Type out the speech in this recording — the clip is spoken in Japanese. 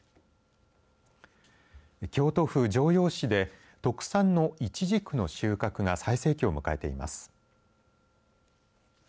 京都府城陽市で特産のいちじくの収穫が最盛期を迎えています。